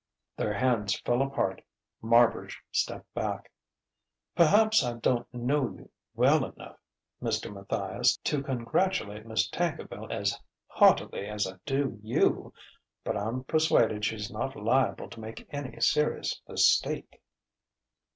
Their hands fell apart. Marbridge stepped back. "Perhaps I don't know you well enough, Mr. Matthias, to congratulate Miss Tankerville as heartily as I do you; but I'm persuaded she's not liable to make any serious mistake."